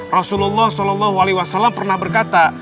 rasulullah saw pernah berkata